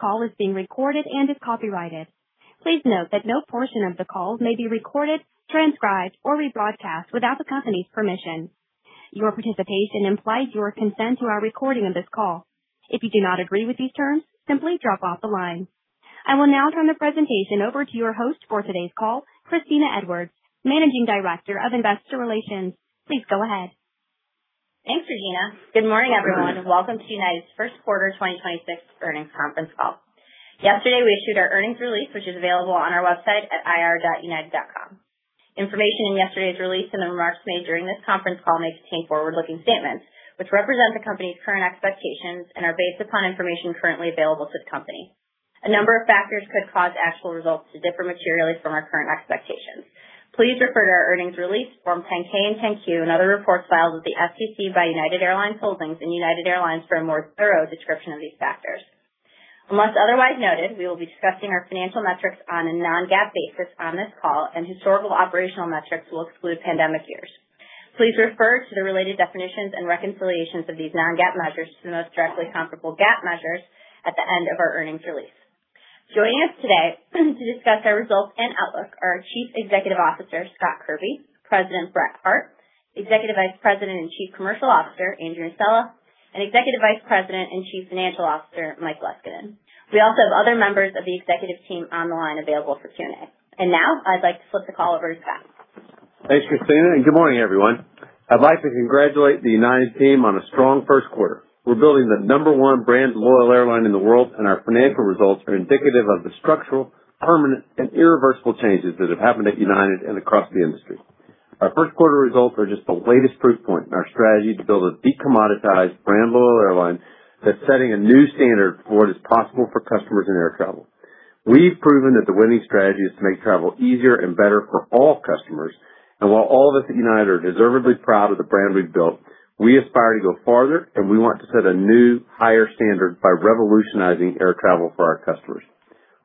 This call is being recorded and is copyrighted. Please note that no portion of the call may be recorded, transcribed or rebroadcast without the company's permission. Your participation implies your consent to our recording of this call. If you do not agree with these terms, simply drop off the line. I will now turn the presentation over to your host for today's call, Kristina Edwards, Managing Director of Investor Relations. Please go ahead. Thanks, Regina. Good morning, everyone. Welcome to United's first quarter 2026 earnings conference call. Yesterday, we issued our earnings release, which is available on our website at ir.united.com. Information in yesterday's release and the remarks made during this conference call may contain forward-looking statements, which represent the company's current expectations and are based upon information currently available to the company. A number of factors could cause actual results to differ materially from our current expectations. Please refer to our earnings release, Form 10-K and 10-Q and other reports filed with the SEC by United Airlines Holdings and United Airlines for a more thorough description of these factors. Unless otherwise noted, we will be discussing our financial metrics on a non-GAAP basis on this call, and historical operational metrics will exclude pandemic years. Please refer to the related definitions and reconciliations of these non-GAAP measures to the most directly comparable GAAP measures at the end of our earnings release. Joining us today to discuss our results and outlook are our Chief Executive Officer, Scott Kirby, President, Brett Hart, Executive Vice President and Chief Commercial Officer, Andrew Nocella, and Executive Vice President and Chief Financial Officer, Mike Leskinen. We also have other members of the executive team on the line available for Q&A. Now I'd like to flip the call over to Scott. Thanks, Kristina, and good morning, everyone. I'd like to congratulate the United team on a strong first quarter. We're building the number one brand loyal airline in the world, and our financial results are indicative of the structural, permanent, and irreversible changes that have happened at United and across the industry. Our first quarter results are just the latest proof point in our strategy to build a decommoditized brand loyal airline that's setting a new standard for what is possible for customers in air travel. We've proven that the winning strategy is to make travel easier and better for all customers. While all of us at United are deservedly proud of the brand we've built, we aspire to go farther and we want to set a new, higher standard by revolutionizing air travel for our customers.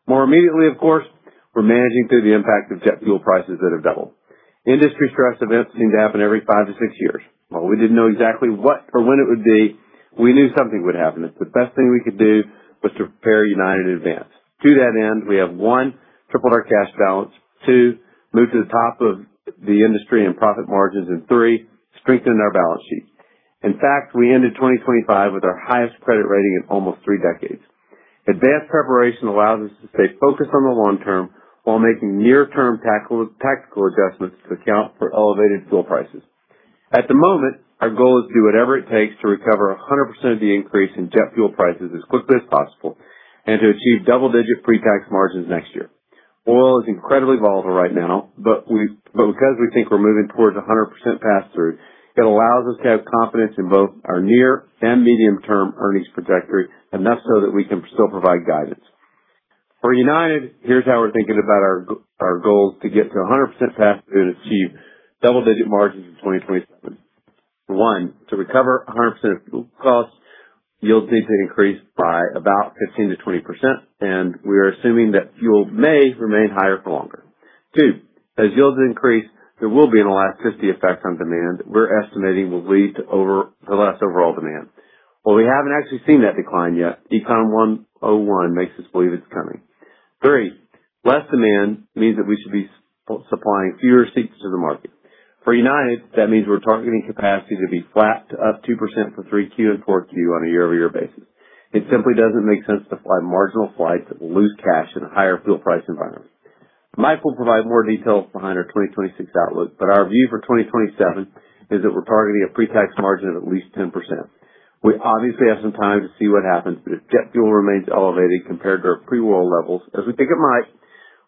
More immediately, of course, we're managing through the impact of jet fuel prices that have doubled. Industry stress events seem to happen every five to six years. While we didn't know exactly what or when it would be, we knew something would happen, and the best thing we could do was to prepare United in advance. To that end, we have, one, tripled our cash balance, two, moved to the top of the industry in profit margins, and three, strengthened our balance sheet. In fact, we ended 2025 with our highest credit rating in almost three decades. Advanced preparation allows us to stay focused on the long term while making near-term tactical adjustments to account for elevated fuel prices. At the moment, our goal is to do whatever it takes to recover 100% of the increase in jet fuel prices as quickly as possible and to achieve double-digit pre-tax margins next year. Oil is incredibly volatile right now, but because we think we're moving towards 100% pass-through, it allows us to have confidence in both our near and medium-term earnings trajectory, enough so that we can still provide guidance. For United, here's how we're thinking about our goals to get to 100% pass-through to achieve double-digit margins in 2027. One, to recover 100% of fuel costs, yields need to increase by about 15%-20%, and we are assuming that fuel may remain higher for longer. Two, as yields increase, there will be an elasticity effect on demand we're estimating will lead to less overall demand. While we haven't actually seen that decline yet, Econ 101 makes us believe it's coming. Three, less demand means that we should be supplying fewer seats to the market. For United, that means we're targeting capacity to be flat to up 2% for 3Q and 4Q on a year-over-year basis. It simply doesn't make sense to fly marginal flights that lose cash in a higher fuel price environment. Mike will provide more details behind our 2026 outlook, but our view for 2027 is that we're targeting a pre-tax margin of at least 10%. We obviously have some time to see what happens, but if jet fuel remains elevated compared to pre-war levels, as we think it might,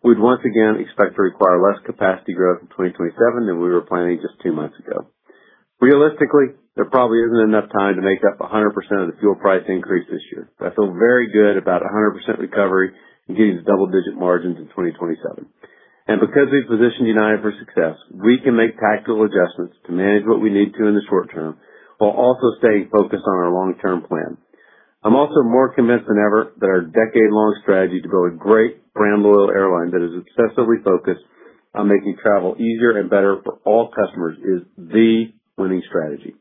we'd once again expect to require less capacity growth in 2027 than we were planning just two months ago. Realistically, there probably isn't enough time to make up 100% of the fuel price increase this year, but I feel very good about 100% recovery and getting to double-digit margins in 2027. Because we've positioned United for success, we can make tactical adjustments to manage what we need to in the short term while also staying focused on our long-term plan. I'm also more convinced than ever that our decade-long strategy to build a great brand loyal airline that is obsessively focused on making travel easier and better for all customers is the winning strategy.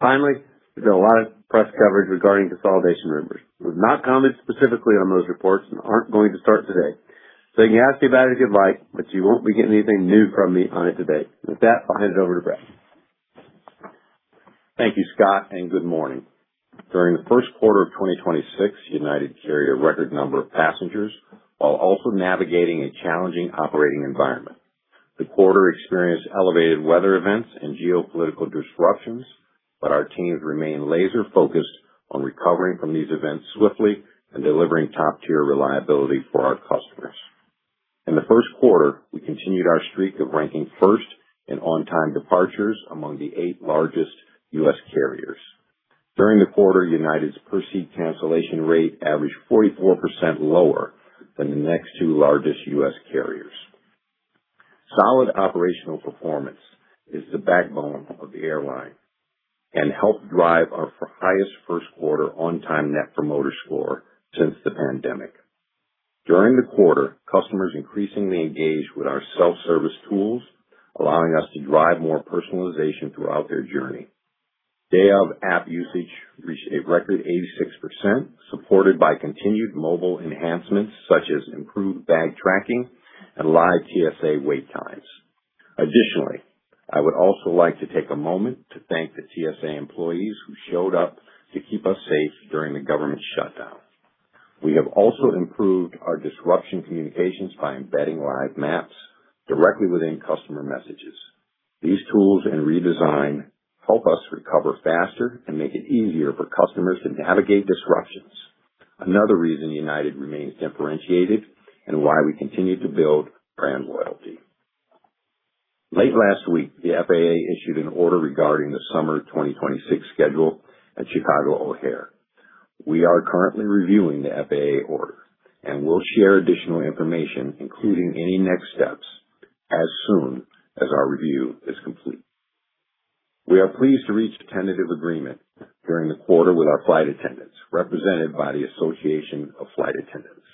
Finally, there's been a lot of press coverage regarding consolidation rumors. We've not commented specifically on those reports and aren't going to start today. You can ask me about it if you'd like, but you won't be getting anything new from me on it today. With that, I'll hand it over to Brett. Thank you, Scott, and good morning. During the first quarter of 2026, United carried a record number of passengers while also navigating a challenging operating environment. The quarter experienced elevated weather events and geopolitical disruptions, but our teams remain laser-focused on recovering from these events swiftly and delivering top-tier reliability for our customers. In the first quarter, we continued our streak of ranking first in on-time departures among the eight largest U.S. carriers. During the quarter, United's per-seat cancellation rate averaged 44% lower than the next two largest U.S. carriers. Solid operational performance is the backbone of the airline and helped drive our highest first quarter on-time Net Promoter Score since the pandemic. During the quarter, customers increasingly engaged with our self-service tools, allowing us to drive more personalization throughout their journey. Day-of app usage reached a record 86%, supported by continued mobile enhancements such as improved bag tracking and live TSA wait times. Additionally, I would also like to take a moment to thank the TSA employees who showed up to keep us safe during the government shutdown. We have also improved our disruption communications by embedding live maps directly within customer messages. These tools and redesign help us recover faster and make it easier for customers to navigate disruptions. Another reason United remains differentiated and why we continue to build brand loyalty. Late last week, the FAA issued an order regarding the summer 2026 schedule at Chicago O'Hare. We are currently reviewing the FAA order, and we'll share additional information, including any next steps, as soon as our review is complete. We are pleased to reach a tentative agreement during the quarter with our flight attendants, represented by the Association of Flight Attendants.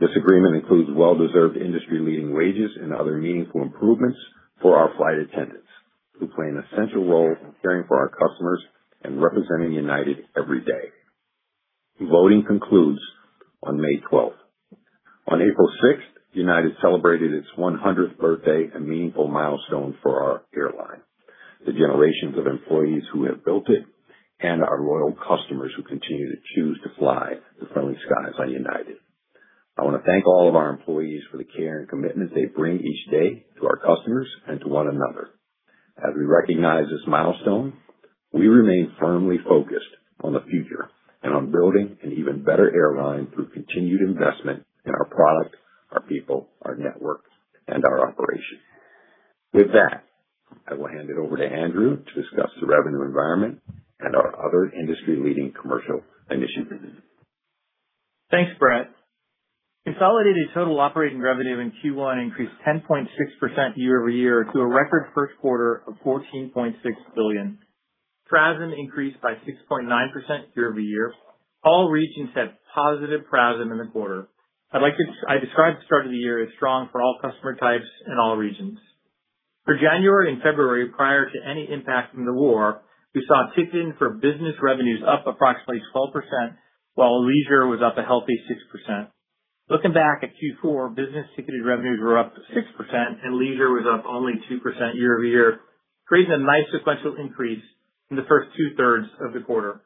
This agreement includes well-deserved industry-leading wages and other meaningful improvements for our flight attendants, who play an essential role in caring for our customers and representing United every day. Voting concludes on May 12th. On April 6th, United celebrated its 100th birthday, a meaningful milestone for our airline, the generations of employees who have built it, and our loyal customers who continue to choose to fly the friendly skies on United. I want to thank all of our employees for the care and commitment they bring each day to our customers and to one another. As we recognize this milestone, we remain firmly focused on the future and on building an even better airline through continued investment in our products, our people, our network, and our operation. With that, I will hand it over to Andrew to discuss the revenue environment and our other industry-leading commercial initiatives. Thanks, Brett. Consolidated total operating revenue in Q1 increased 10.6% year-over-year to a record first quarter of $14.6 billion. PRASM increased by 6.9% year-over-year. All regions had positive PRASM in the quarter. I describe the start of the year as strong for all customer types in all regions. For January and February, prior to any impact from the war, we saw ticketing for business revenues up approximately 12%, while leisure was up a healthy 6%. Looking back at Q4, business ticketed revenues were up 6% and leisure was up only 2% year-over-year, creating a nice sequential increase in the first 2/3 of the quarter.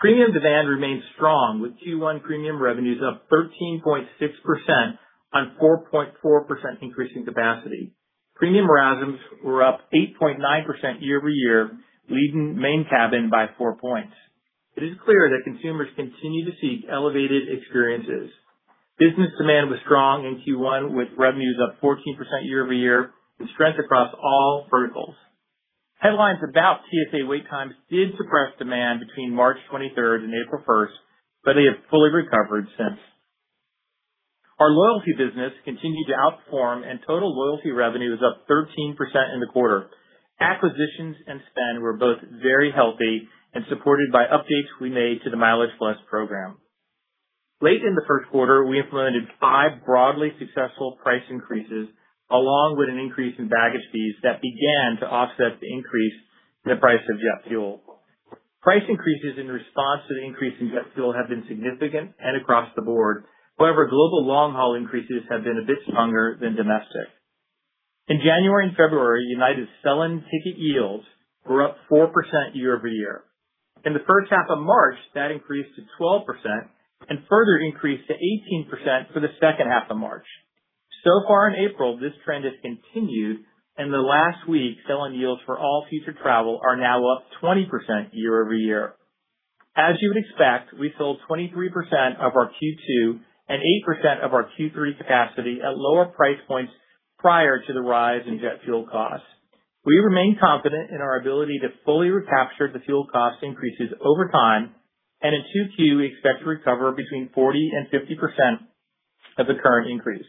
Premium demand remains strong, with Q1 premium revenues up 13.6% on 4.4% increase in capacity. Premium PRASMs were up 8.9% year-over-year, leading main cabin by four points. It is clear that consumers continue to seek elevated experiences. Business demand was strong in Q1, with revenues up 14% year-over-year, with strength across all verticals. Headlines about TSA wait times did suppress demand between March 23rd and April 1st, but they have fully recovered since. Our loyalty business continued to outperform, and total loyalty revenue was up 13% in the quarter. Acquisitions and spend were both very healthy and supported by updates we made to the MileagePlus program. Late in the first quarter, we implemented five broadly successful price increases, along with an increase in baggage fees that began to offset the increase in the price of jet fuel. Price increases in response to the increase in jet fuel have been significant and across the board. However, global long-haul increases have been a bit stronger than domestic. In January and February, United's sell-in ticket yields were up 4% year-over-year. In the first half of March, that increased to 12% and further increased to 18% for the second half of March. So far in April, this trend has continued, and in the last week, sell-in yields for all future travel are now up 20% year-over-year. As you would expect, we sold 23% of our Q2 and 8% of our Q3 capacity at lower price points prior to the rise in jet fuel costs. We remain confident in our ability to fully recapture the fuel cost increases over time, and in 2Q, we expect to recover between 40% and 50% of the current increase.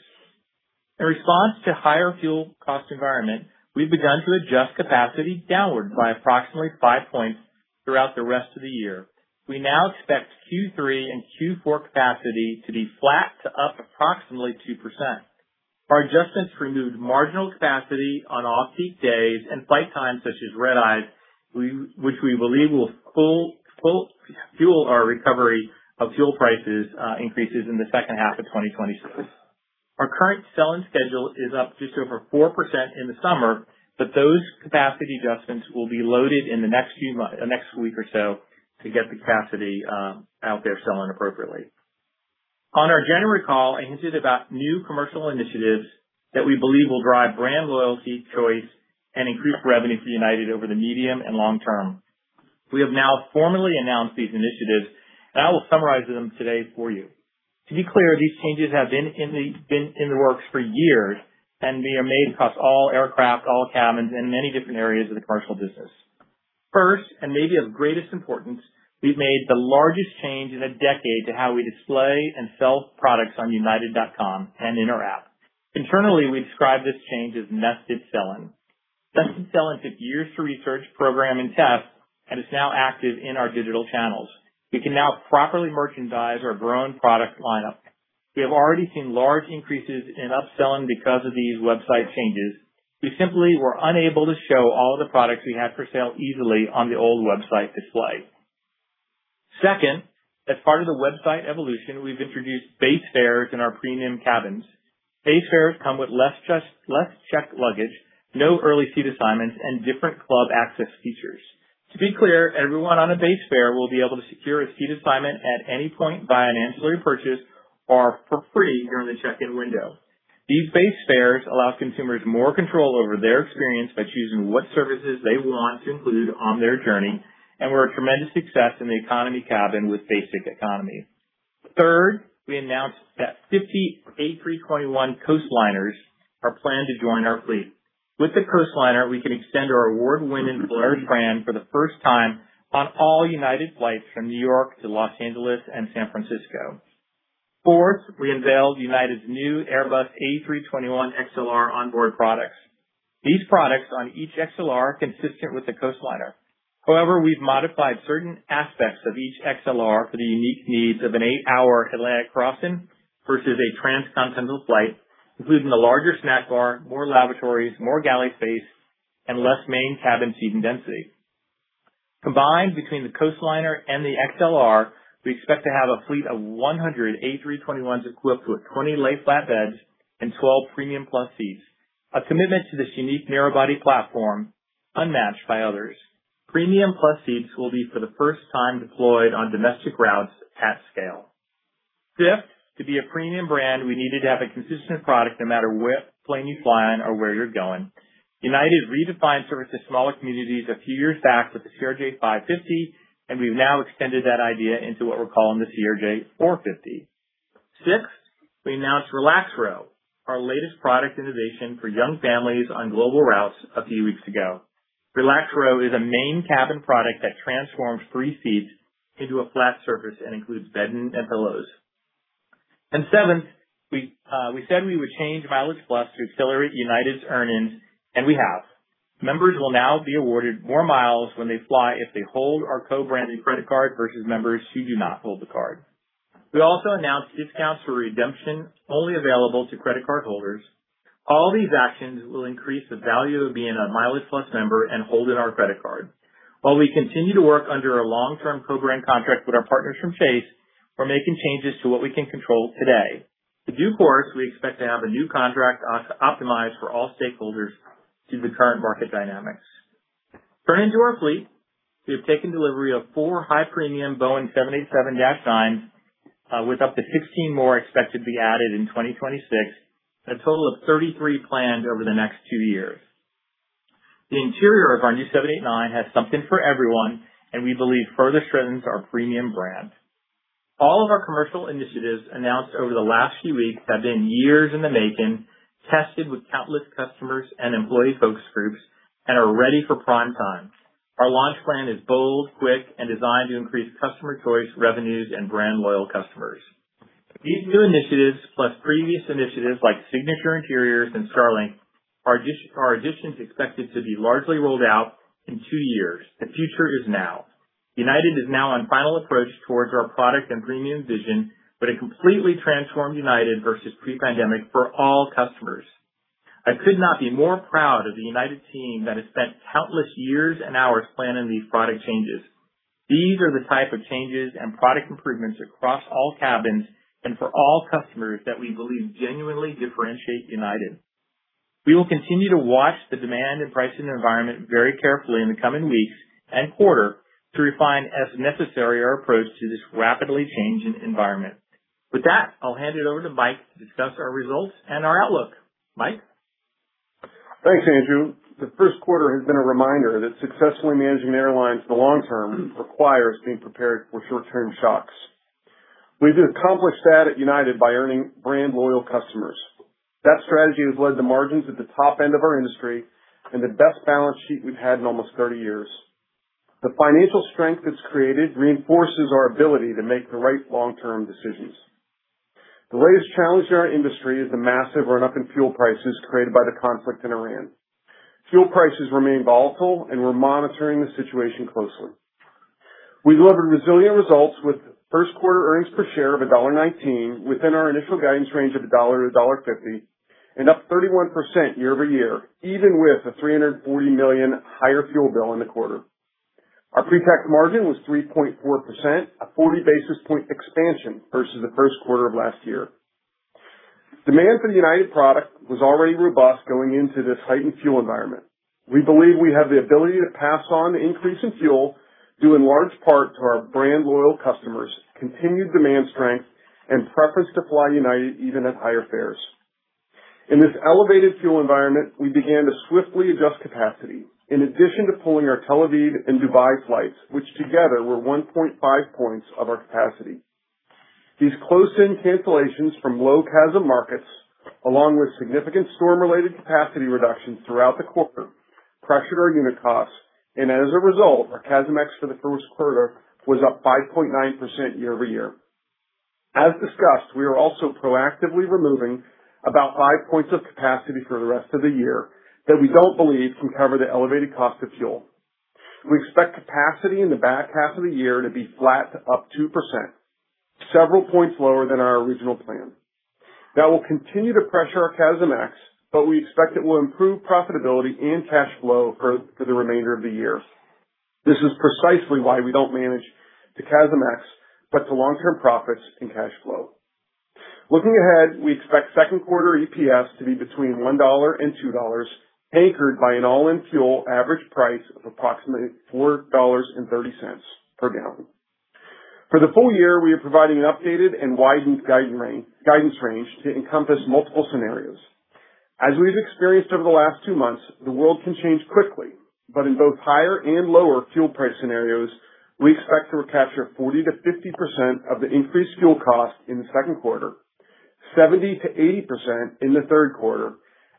In response to higher fuel cost environment, we've begun to adjust capacity downward by approximately five points throughout the rest of the year. We now expect Q3 and Q4 capacity to be flat to up approximately 2%. Our adjustments removed marginal capacity on off-peak days and flight times such as red eyes, which we believe will fuel our recovery from fuel price increases in the second half of 2026. Our current sell-in schedule is up just over 4% in the summer, but those capacity adjustments will be loaded in the next week or so to get the capacity out there selling appropriately. On our January call, I hinted about new commercial initiatives that we believe will drive brand loyalty, choice, and increase revenue for United over the medium and long term. We have now formally announced these initiatives, and I will summarize them today for you. To be clear, these changes have been in the works for years and they are made across all aircraft, all cabins, and many different areas of the commercial business. First, and maybe of greatest importance, we've made the largest change in a decade to how we display and sell products on united.com and in our app. Internally, we describe this change as nested selling. That's been years in the research program and test, and is now active in our digital channels. We can now properly merchandise our growing product lineup. We have already seen large increases in upselling because of these website changes. We simply were unable to show all the products we had for sale easily on the old website display. Second, as part of the website evolution, we've introduced base fares in our premium cabins. Base fares come with less checked luggage, no early seat assignments, and different club access features. To be clear, everyone on a base fare will be able to secure a seat assignment at any point by an ancillary purchase or for free during the check-in window. These base fares allow consumers more control over their experience by choosing what services they want to include on their journey and were a tremendous success in the economy cabin with Basic Economy. Third, we announced that 50 A321 Coastliners are planned to join our fleet. With the Coastliner, we can extend our award-winning Polaris brand for the first time on all United flights from New York to Los Angeles and San Francisco. Fourth, we unveiled United's new Airbus A321XLR onboard products. These products on each XLR are consistent with the Coastliner. However, we've modified certain aspects of each XLR for the unique needs of an eight-hour Atlantic crossing versus a transcontinental flight, including the larger snack bar, more lavatories, more galley space, and less main cabin seating density. Combined between the Coastliner and the XLR, we expect to have a fleet of 100 A321s equipped with 20 lie-flat beds and 12 Premium Plus seats. A commitment to this unique narrow-body platform unmatched by others. Premium Plus seats will be for the first time deployed on domestic routes at scale. Fifth, to be a premium brand, we needed to have a consistent product no matter what plane you fly on or where you're going. United redefined service to smaller communities a few years back with the CRJ-550, and we've now extended that idea into what we're calling the CRJ-450. Sixth, we announced Relax Row, our latest product innovation for young families on global routes a few weeks ago. Relax Row is a main cabin product that transforms three seats into a flat surface and includes bedding and pillows. Seventh, we said we would change MileagePlus to accelerate United's earnings, and we have. Members will now be awarded more miles when they fly if they hold our co-branded credit card versus members who do not hold the card. We also announced discounts for redemption only available to credit card holders. All these actions will increase the value of being a MileagePlus member and holding our credit card. While we continue to work under a long-term program contract with our partners from Chase, we're making changes to what we can control today. In due course, we expect to have a new contract optimized for all stakeholders due to the current market dynamics. Turning to our fleet, we have taken delivery of four high premium Boeing 787-9, with up to 16 more expected to be added in 2026, and a total of 33 planned over the next two years. The interior of our new 789 has something for everyone, and we believe further strengthens our premium brand. All of our commercial initiatives announced over the last few weeks have been years in the making, tested with countless customers and employee focus groups, and are ready for prime time. Our launch plan is bold, quick, and designed to increase customer choice, revenues, and brand loyal customers. These new initiatives, plus previous initiatives like Signature Interior and Starlink, are additions expected to be largely rolled out in two years. The future is now. United is now on final approach towards our product and premium vision, but a completely transformed United versus pre-pandemic for all customers. I could not be more proud of the United team that has spent countless years and hours planning these product changes. These are the type of changes and product improvements across all cabins and for all customers that we believe genuinely differentiate United. We will continue to watch the demand and pricing environment very carefully in the coming weeks and quarter to refine as necessary our approach to this rapidly changing environment. With that, I'll hand it over to Mike to discuss our results and our outlook. Mike? Thanks, Andrew. The first quarter has been a reminder that successfully managing airlines for the long term requires being prepared for short-term shocks. We've accomplished that at United by earning brand loyal customers. That strategy has led to margins at the top end of our industry and the best balance sheet we've had in almost 30 years. The financial strength it's created reinforces our ability to make the right long-term decisions. The latest challenge in our industry is the massive run-up in fuel prices created by the conflict in Iran. Fuel prices remain volatile, and we're monitoring the situation closely. We delivered resilient results with first quarter earnings per share of $1.19 within our initial guidance range of $1-$1.50, and up 31% year-over-year, even with a $340 million higher fuel bill in the quarter. Our pre-tax margin was 3.4%, a 40 basis points expansion versus the first quarter of last year. Demand for the United product was already robust going into this heightened fuel environment. We believe we have the ability to pass on the increase in fuel due in large part to our brand loyal customers, continued demand strength, and preference to fly United even at higher fares. In this elevated fuel environment, we began to swiftly adjust capacity. In addition to pulling our Tel Aviv and Dubai flights, which together were 1.5 points of our capacity. These close-in cancellations from low CASM markets, along with significant storm-related capacity reductions throughout the quarter, pressured our unit costs, and as a result, our CASM-ex for the first quarter was up 5.9% year-over-year. As discussed, we are also proactively removing about five points of capacity for the rest of the year that we don't believe can cover the elevated cost of fuel. We expect capacity in the back half of the year to be flat to up 2%, several points lower than our original plan. That will continue to pressure our CASM-ex, but we expect it will improve profitability and cash flow for the remainder of the year. This is precisely why we don't manage to CASM-ex, but to long-term profits and cash flow. Looking ahead, we expect second quarter EPS to be between $1 and $2, anchored by an all-in fuel average price of approximately $4.30 per gallon. For the full year, we are providing an updated and widened guidance range to encompass multiple scenarios. As we've experienced over the last two months, the world can change quickly, but in both higher and lower fuel price scenarios, we expect to recapture 40%-50% of the increased fuel cost in the second quarter, 70%-80% in the third quarter,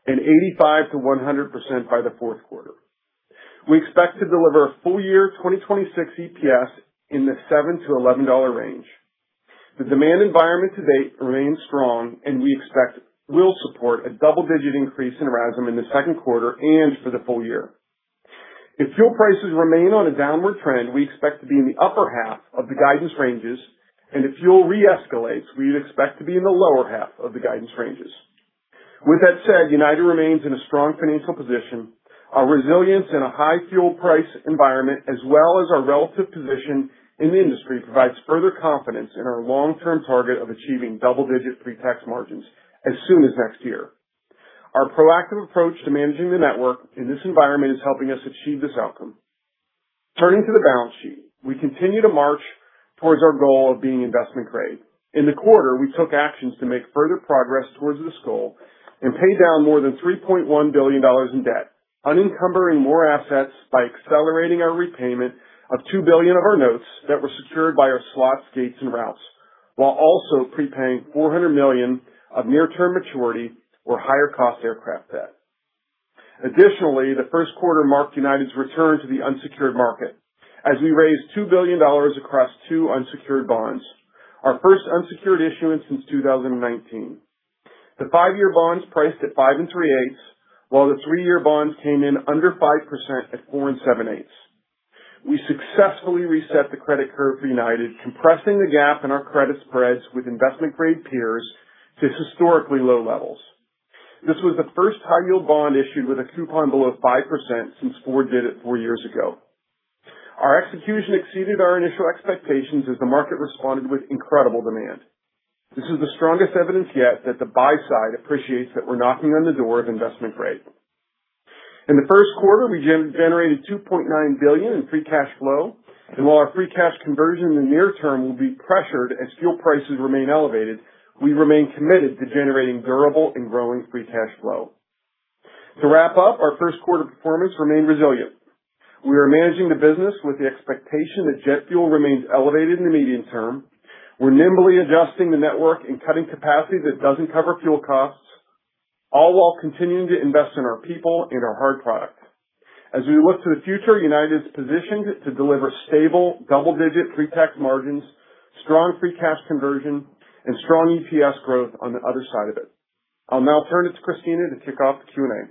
and 85%-100% by the fourth quarter. We expect to deliver full-year 2026 EPS in the $7-$11 range. The demand environment to date remains strong, and we expect will support a double-digit increase in RASM in the second quarter and for the full year. If fuel prices remain on a downward trend, we expect to be in the upper half of the guidance ranges, and if fuel re-escalates, we'd expect to be in the lower half of the guidance ranges. With that said, United remains in a strong financial position. Our resilience in a high fuel price environment, as well as our relative position in the industry, provides further confidence in our long-term target of achieving double-digit pre-tax margins as soon as next year. Our proactive approach to managing the network in this environment is helping us achieve this outcome. Turning to the balance sheet. We continue to march towards our goal of being investment grade. In the quarter, we took actions to make further progress towards this goal and pay down more than $3.1 billion in debt, unencumbering more assets by accelerating our repayment of $2 billion of our notes that were secured by our slots, gates, and routes, while also prepaying $400 million of near-term maturity or higher-cost aircraft debt. Additionally, the first quarter marked United's return to the unsecured market as we raised $2 billion across two unsecured bonds, our first unsecured issuance since 2019. The five-year bonds priced at 5 3/8, while the three-year bonds came in under 5% at 4 7/8. We successfully reset the credit curve for United, compressing the gap in our credit spreads with investment-grade peers to historically low levels. This was the first high-yield bond issued with a coupon below 5% since Ford did it four years ago. Our execution exceeded our initial expectations as the market responded with incredible demand. This is the strongest evidence yet that the buy side appreciates that we're knocking on the door of investment grade. In the first quarter, we generated $2.9 billion in free cash flow, and while our free cash conversion in the near term will be pressured as fuel prices remain elevated, we remain committed to generating durable and growing free cash flow. To wrap up, our first quarter performance remained resilient. We are managing the business with the expectation that jet fuel remains elevated in the medium term. We're nimbly adjusting the network and cutting capacity that doesn't cover fuel costs, all while continuing to invest in our people and our hard products. As we look to the future, United is positioned to deliver stable double-digit pre-tax margins, strong free cash conversion, and strong EPS growth on the other side of it. I'll now turn it to Kristina to kick off the Q&A.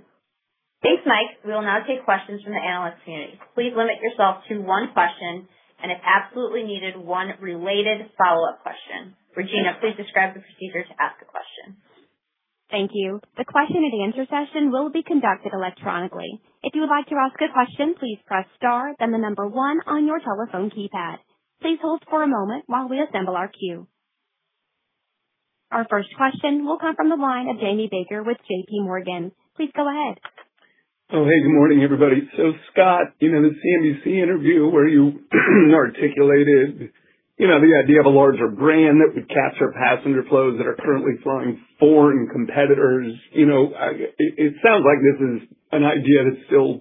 Thanks, Mike. We will now take questions from the analyst community. Please limit yourself to one question and, if absolutely needed, one related follow-up question. Regina, please describe the procedure to ask a question. Thank you. The question-and-answer session will be conducted electronically. If you would like to ask a question, please press star then the number one on your telephone keypad. Please hold for a moment while we assemble our queue. Our first question will come from the line of Jamie Baker with JPMorgan. Please go ahead. Oh, hey, good morning, everybody. Scott, the CNBC interview where you articulated the idea of a larger brand that would capture passenger flows that are currently flowing to foreign competitors. It sounds like this is an idea that's still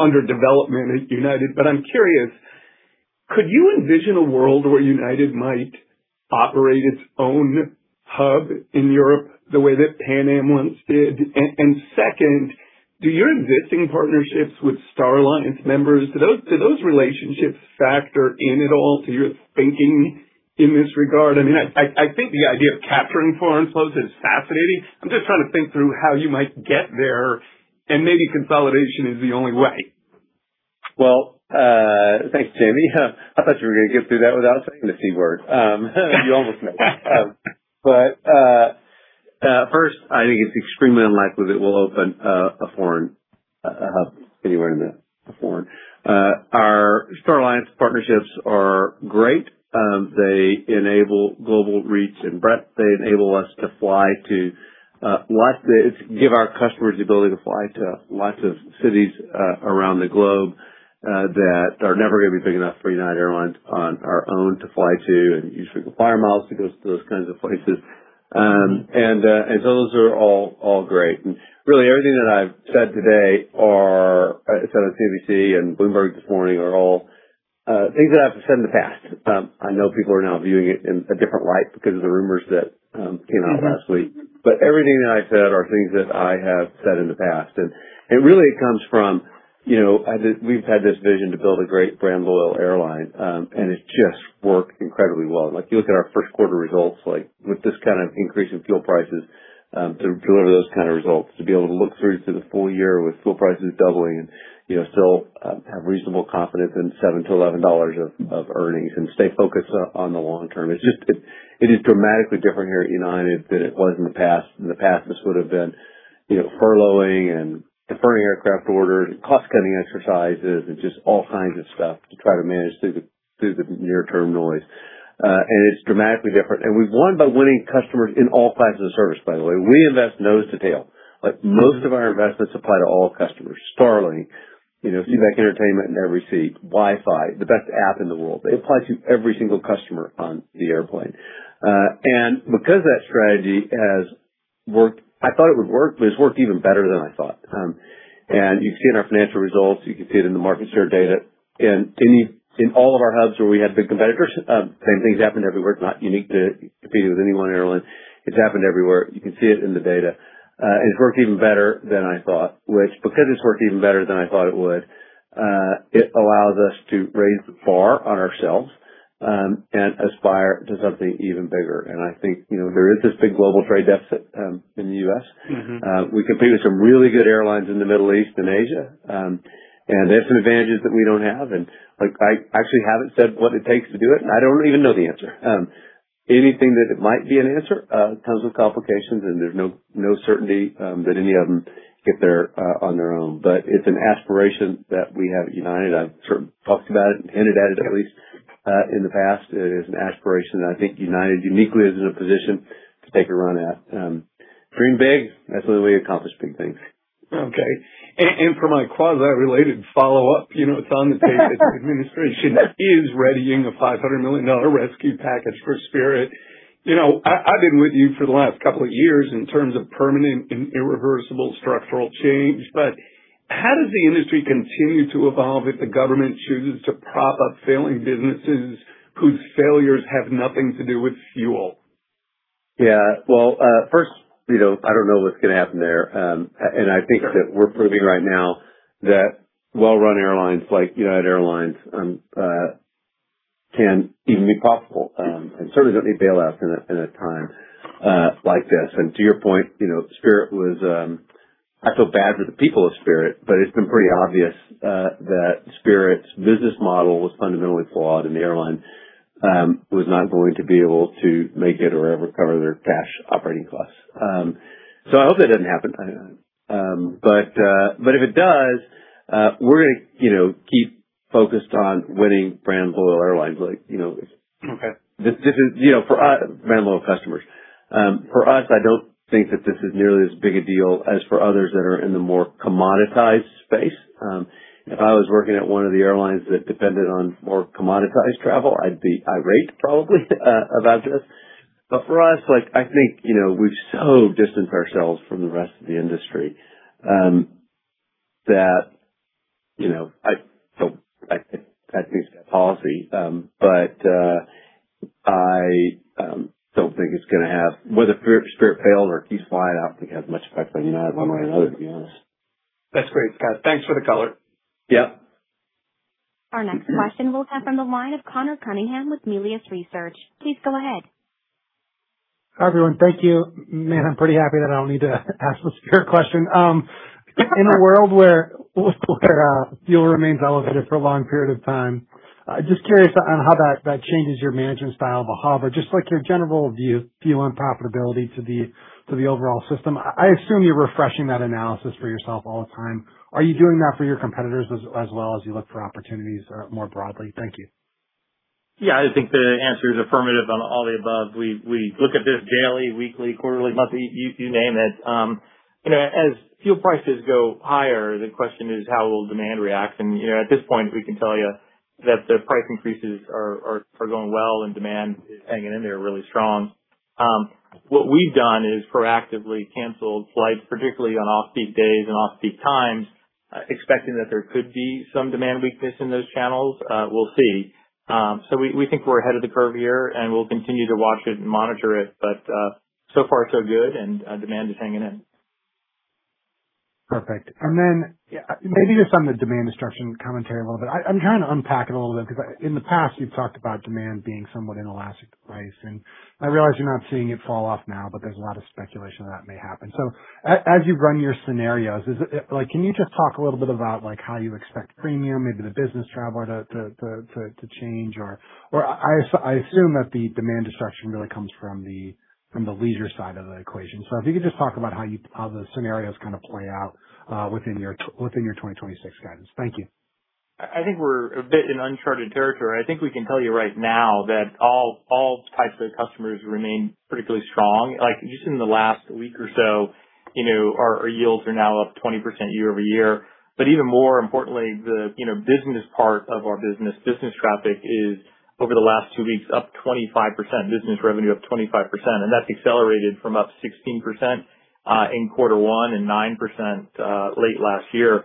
under development at United, but I'm curious, could you envision a world where United might operate its own hub in Europe the way that Pan Am once did? Second, do your existing partnerships with Star Alliance members, do those relationships factor in at all to your thinking in this regard? I think the idea of capturing foreign flows is fascinating. I'm just trying to think through how you might get there, and maybe consolidation is the only way. Well, thanks, Jamie. I thought you were going to get through that without saying the c word. You almost made it. First, I think it's extremely unlikely that we'll open a foreign hub anywhere in the foreign. Our Star Alliance partnerships are great. They enable global reach and breadth. They enable us to give our customers the ability to fly to lots of cities around the globe that are never going to be big enough for United Airlines on our own to fly to, and you usually require miles to go to those kinds of places. Those are all great. Really, everything that I've said today or I said on CNBC and Bloomberg this morning are all things that I've said in the past. I know people are now viewing it in a different light because of the rumors that came out last week. Everything that I've said are things that I have said in the past, and it really comes from...We've had this vision to build a great brand loyal airline, and it's just worked incredibly well. Like you look at our first quarter results, like with this kind of increase in fuel prices, to deliver those kind of results, to be able to look through to the full year with fuel prices doubling and still have reasonable confidence in $7-$11 of earnings and stay focused on the long term. It is dramatically different here at United than it was in the past. In the past, this would've been furloughing and deferring aircraft orders, cost-cutting exercises, and just all kinds of stuff to try to manage through the near-term noise. It's dramatically different. We've won by winning customers in all classes of service, by the way. We invest nose to tail. Like most of our investments apply to all customers. Starlink, seatback entertainment in every seat, Wi-Fi, the best app in the world. They apply to every single customer on the airplane. Because that strategy has worked, I thought it would work, but it's worked even better than I thought. You see it in our financial results. You can see it in the market share data. In all of our hubs where we had big competitors, same thing's happened everywhere. It's not unique to competing with any one airline. It's happened everywhere. You can see it in the data. It's worked even better than I thought, which because it's worked even better than I thought it would, it allows us to raise the bar on ourselves, and aspire to something even bigger. I think, there is this big global trade deficit in the U.S. Mm-hmm. We compete with some really good airlines in the Middle East and Asia, and they have some advantages that we don't have, and like I actually haven't said what it takes to do it, and I don't even know the answer. Anything that might be an answer, comes with complications, and there's no certainty that any of them get there on their own. It's an aspiration that we have at United. I've sort of talked about it and hinted at it at least, in the past. It is an aspiration that I think United uniquely is in a position to take a run at. Dream big. That's the way we accomplish big things. Okay. For my quasi-related follow-up, it's on the tape that the administration is readying a $500 million rescue package for Spirit. I've been with you for the last couple of years in terms of permanent and irreversible structural change. How does the industry continue to evolve if the government chooses to prop up failing businesses whose failures have nothing to do with fuel? Yeah. Well, first, I don't know what's going to happen there. I think that we're proving right now that well-run airlines like United Airlines can even be profitable, and certainly don't need bailout in a time like this. To your point, Spirit was. I feel bad for the people of Spirit, but it's been pretty obvious that Spirit's business model was fundamentally flawed, and the airline was not going to be able to make it or ever cover their cash operating costs. I hope that doesn't happen. If it does, we're gonna keep focused on winning brand loyal airlines like- Okay. This is, for us, brand loyal customers. For us, I don't think that this is nearly as big a deal as for others that are in the more commoditized space. If I was working at one of the airlines that depended on more commoditized travel, I'd be irate, probably, about this. For us, I think we've so distanced ourselves from the rest of the industry, that I don't. I think that's policy. I don't think it's gonna have. Whether Spirit fails or keeps flying, I don't think it has much effect on United one way or another, to be honest. That's great, Scott. Thanks for the color. Yep. Our next question will come from the line of Conor Cunningham with Melius Research. Please go ahead. Hi, everyone. Thank you. Man, I'm pretty happy that I don't need to ask the Spirit question. In a world where fuel remains elevated for a long period of time, just curious on how that changes your management style of a hub or just like your general view on profitability to the overall system? I assume you're refreshing that analysis for yourself all the time. Are you doing that for your competitors as well as you look for opportunities more broadly? Thank you. Yeah. I think the answer is affirmative on all the above. We look at this daily, weekly, quarterly, monthly, you name it. As fuel prices go higher, the question is how will demand react? At this point, we can tell you that the price increases are going well and demand is hanging in there really strong. What we've done is proactively canceled flights, particularly on off-peak days and off-peak times, expecting that there could be some demand weakness in those channels. We'll see. We think we're ahead of the curve here, and we'll continue to watch it and monitor it, but so far so good, and demand is hanging in. Perfect. Maybe just on the demand destruction commentary a little bit. I'm trying to unpack it a little bit because in the past you've talked about demand being somewhat inelastic to price, and I realize you're not seeing it fall off now, but there's a lot of speculation that may happen. As you run your scenarios, can you just talk a little bit about how you expect premium, maybe the business travel to change? I assume that the demand destruction really comes from the leisure side of the equation. If you could just talk about how the scenarios play out within your 2026 guidance. Thank you. I think we're a bit in uncharted territory. I think we can tell you right now that all types of customers remain particularly strong. Like just in the last week or so, our yields are now up 20% year-over-year. Even more importantly, the business part of our business traffic is, over the last two weeks, up 25%. Business revenue up 25%. That's accelerated from up 16%, in quarter one and 9%, late last year.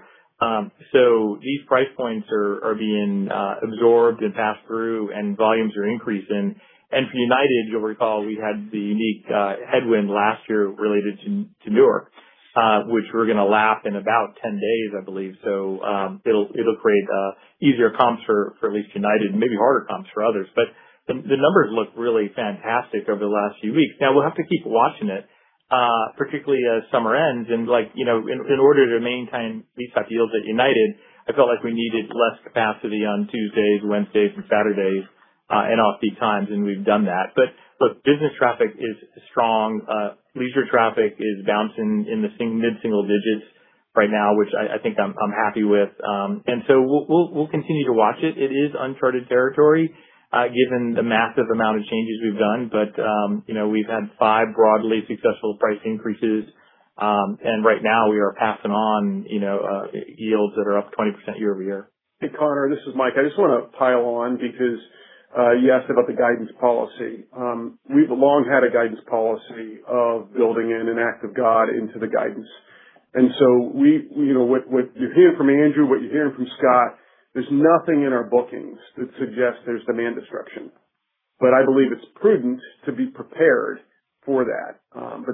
These price points are being absorbed and passed through, and volumes are increasing. For United, you'll recall we had the unique headwind last year related to Newark. Which we're going to lap in about 10 days, I believe. It'll create easier comps for at least United, maybe harder comps for others. The numbers look really fantastic over the last few weeks. Now, we'll have to keep watching it, particularly as summer ends. In order to maintain these type of yields at United, I felt like we needed less capacity on Tuesdays, Wednesdays, and Saturdays, and off-peak times, and we've done that. Look, business traffic is strong. Leisure traffic is bouncing in the mid-single digits right now, which I think I'm happy with. We'll continue to watch it. It is uncharted territory, given the massive amount of changes we've done. We've had five broadly successful price increases. Right now we are passing on yields that are up 20% year-over-year. Hey, Conor, this is Mike. I just want to pile on because you asked about the guidance policy. We've long had a guidance policy of building in an act of God into the guidance. What you're hearing from Andrew, what you're hearing from Scott, there's nothing in our bookings that suggests there's demand destruction. I believe it's prudent to be prepared for that.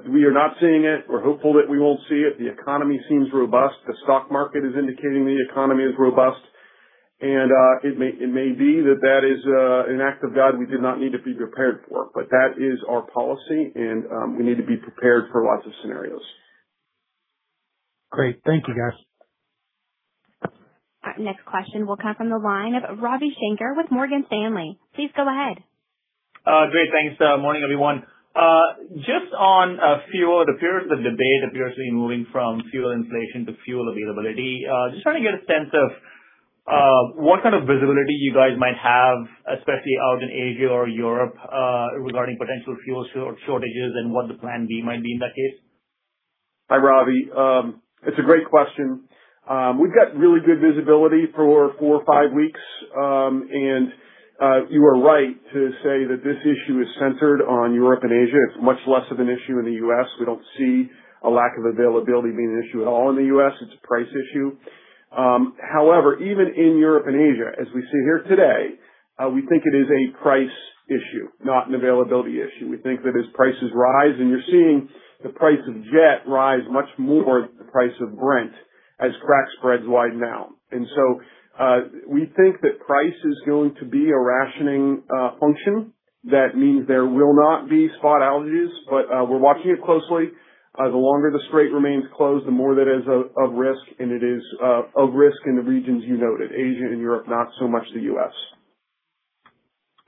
We are not seeing it. We're hopeful that we won't see it. The economy seems robust. The stock market is indicating the economy is robust. It may be that that is an act of God we do not need to be prepared for. That is our policy, and we need to be prepared for lots of scenarios. Great. Thank you, guys. Next question will come from the line of Ravi Shanker with Morgan Stanley. Please go ahead. Good morning, everyone. Just on fuel, it appears the debate is moving from fuel inflation to fuel availability. Just trying to get a sense of what kind of visibility you guys might have, especially out in Asia or Europe, regarding potential fuel shortages and what the plan B might be in that case. Hi, Ravi. It's a great question. We've got really good visibility for four or five weeks. You are right to say that this issue is centered on Europe and Asia. It's much less of an issue in the U.S. We don't see a lack of availability being an issue at all in the U.S. It's a price issue. However, even in Europe and Asia, as we sit here today, we think it is a price issue, not an availability issue. We think that as prices rise, and you're seeing the price of jet rise much more than the price of Brent as crack spreads widen out. Price is going to be a rationing function. That means there will not be spot outages, but we're watching it closely. The longer the strait remains closed, the more that is a risk, and it is a risk in the regions you noted, Asia and Europe, not so much the U.S.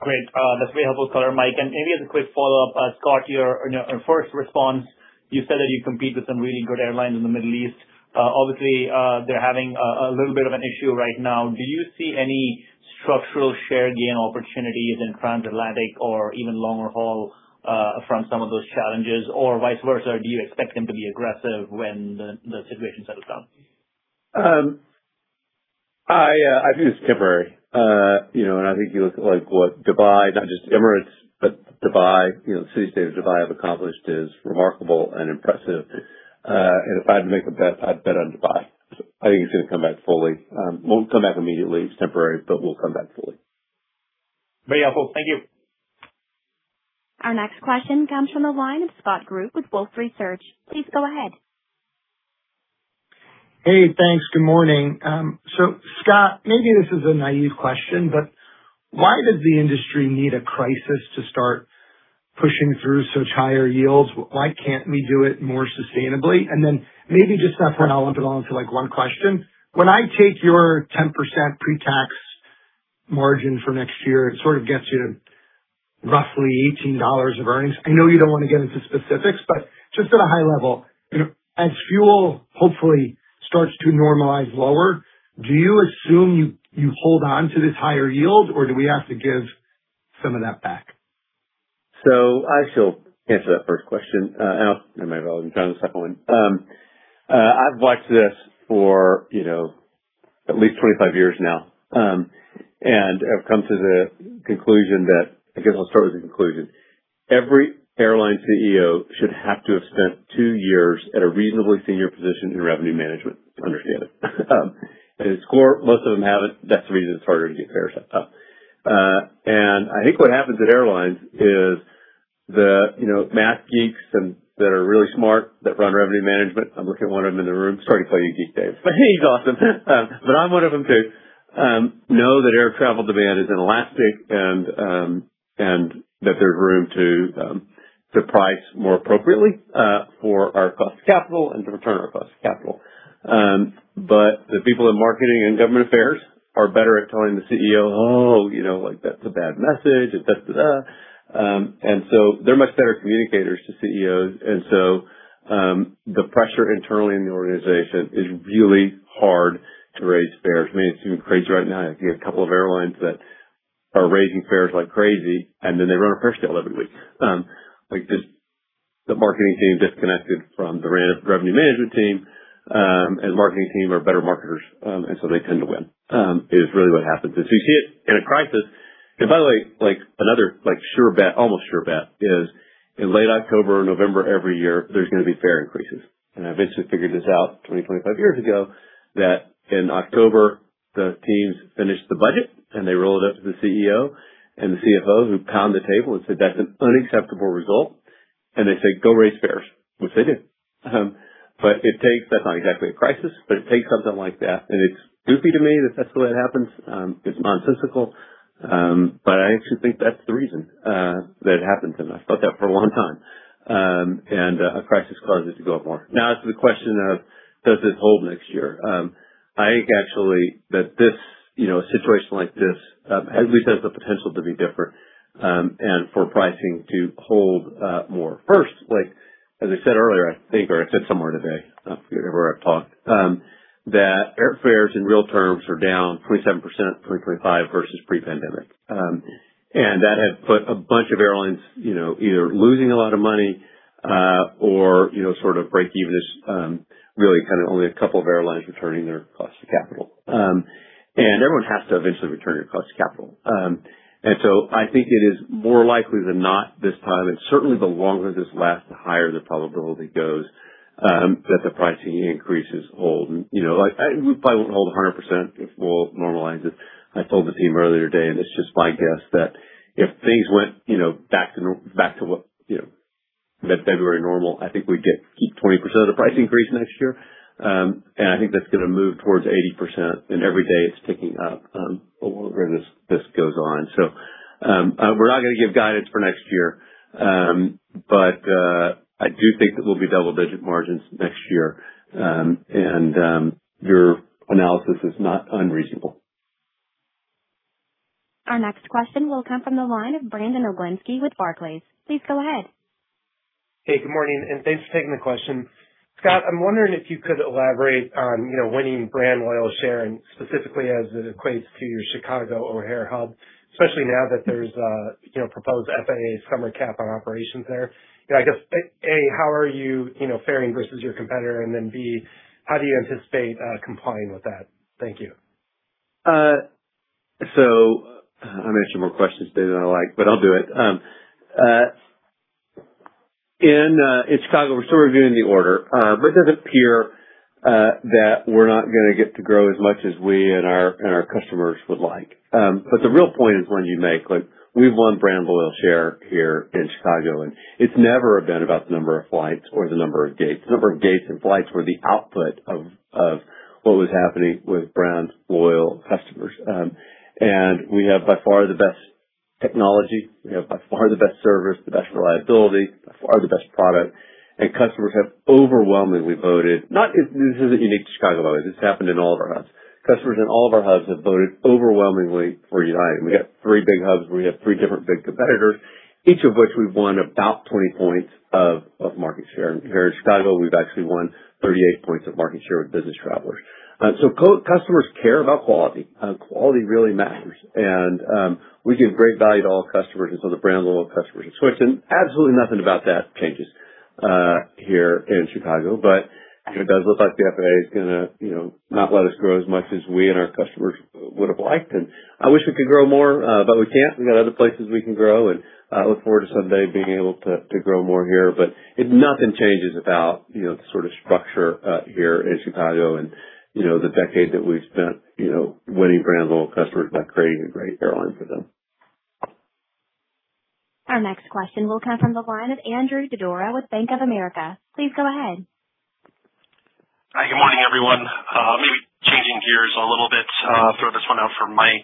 Great. That's very helpful color, Mike. Maybe as a quick follow-up, Scott, your first response, you said that you compete with some really good airlines in the Middle East. Obviously, they're having a little bit of an issue right now. Do you see any structural share gain opportunities in trans-Atlantic or even longer haul from some of those challenges? Or vice versa, do you expect them to be aggressive when the situation settles down? I view this as temporary. I think you look at what Dubai, not just Emirates, but Dubai, the city-state of Dubai have accomplished is remarkable and impressive. If I had to make a bet, I'd bet on Dubai. I think it's going to come back fully. Won't come back immediately. It's temporary, but will come back fully. Very helpful. Thank you. Our next question comes from the line of Scott Group with Wolfe Research. Please go ahead. Hey, thanks. Good morning. Scott, maybe this is a naive question, but why does the industry need a crisis to start pushing through such higher yields? Why can't we do it more sustainably? Maybe just that for now I'll lump it all into one question. When I take your 10% pre-tax margin for next year, it sort of gets you to roughly $18 of earnings. I know you don't want to get into specifics, but just at a high level, as fuel hopefully starts to normalize lower, do you assume you hold on to this higher yield or do we have to give some of that back? I shall answer that first question. I might as well jump on the second one. I've watched this for at least 25 years now. I've come to the conclusion that I guess I'll start with the conclusion. Every airline CEO should have to have spent two years at a reasonably senior position in revenue management to understand it. At its core, most of them haven't. That's the reason it's harder to get fares up top. I think what happens at airlines is the math geeks that are really smart that run revenue management, I'm looking at one of them in the room. Sorry to call you geek, Dave, but he's awesome. I'm one of them too. Know that air travel demand is inelastic and that there's room to price more appropriately for our cost of capital and the return on our cost of capital. The people in marketing and government affairs are better at telling the CEO, "Oh, that's a bad message." Da, da. They're much better communicators to CEOs. The pressure internally in the organization is really hard to raise fares. I mean, it's even crazier right now. You have a couple of airlines that are raising fares like crazy, and then they run a fare sale every week. Like the marketing team disconnected from the revenue management team, and marketing team are better marketers, and so they tend to win, is really what happens. You see it in a crisis. By the way, another sure bet, almost sure bet is in late October, November every year, there's going to be fare increases. I eventually figured this out 20-25 years ago, that in October, the teams finished the budget, and they rolled it up to the CEO and the CFO, who pound the table and said, "That's an unacceptable result." They said, "Go raise fares," which they did. That's not exactly a crisis, but it takes something like that. It's goofy to me that that's the way it happens. It's nonsensical. I actually think that's the reason that it happens, and I've thought that for a long time. A crisis causes it to go up more. Now as to the question of does this hold next year? I think actually that a situation like this at least has the potential to be different, and for pricing to hold more. First, as I said earlier, I think, or I said somewhere today, I forget where I've talked, that airfares in real terms are down 27%, 25% versus pre-pandemic. That has put a bunch of airlines either losing a lot of money or sort of break even-ish. Really kind of only a couple of airlines returning their cost of capital. Everyone has to eventually return their cost of capital. I think it is more likely than not this time, and certainly the longer this lasts, the higher the probability goes, that the pricing increases hold. It probably won't hold 100% if oil normalizes. I told the team earlier today, and it's just my guess, that if things went back to that February normal, I think we'd get 20% of the price increase next year. I think that's going to move towards 80%, and every day it's ticking up the longer this goes on. We're not going to give guidance for next year. I do think it will be double-digit margins next year. Your analysis is not unreasonable. Our next question will come from the line of Brandon Oglenski with Barclays. Please go ahead. Hey, good morning, and thanks for taking the question. Scott, I'm wondering if you could elaborate on winning brand loyal share, and specifically as it equates to your Chicago O'Hare hub, especially now that there's a proposed FAA summer cap on operations there. I guess A, how are you faring versus your competitor? And then B, how do you anticipate complying with that? Thank you. I'm going to answer more questions today than I like, but I'll do it. In Chicago, we're still reviewing the order. It does appear that we're not gonna get to grow as much as we and our customers would like. The real point is one you make, we've won brand loyal share here in Chicago, and it's never been about the number of flights or the number of gates. The number of gates and flights were the output of what was happening with brand loyal customers. We have by far the best technology. We have by far the best service, the best reliability, by far the best product. Customers have overwhelmingly voted. This isn't unique to Chicago, by the way. This has happened in all of our hubs. Customers in all of our hubs have voted overwhelmingly for United. We have three big hubs where we have three different big competitors, each of which we've won about 20 points of market share. Here in Chicago, we've actually won 38 points of market share with business travelers. Customers care about quality, and quality really matters. We give great value to all customers and so the brand loyal customers are switching. Absolutely nothing about that changes here in Chicago. It does look like the FAA is gonna not let us grow as much as we and our customers would have liked. I wish we could grow more, but we can't. We got other places we can grow, and I look forward to someday being able to grow more here. Nothing changes about the sort of structure here in Chicago and the decade that we've spent winning brand loyal customers by creating a great airline for them. Our next question will come from the line of Andrew Didora with Bank of America. Please go ahead. Hi. Good morning, everyone. Maybe changing gears a little bit, throw this one out for Mike.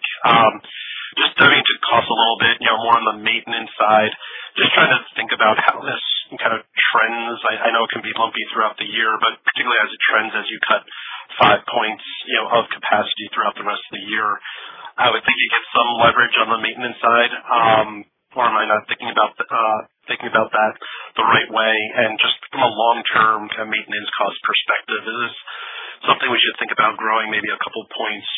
Just diving into costs a little bit, more on the maintenance side. Just trying to think about how this kind of trends. I know it can be lumpy throughout the year, but particularly as it trends, as you cut five points of capacity throughout the rest of the year, I would think you get some leverage on the maintenance side. Am I not thinking about that the right way? Just from a long-term kind of maintenance cost perspective, is this something we should think about growing maybe a couple points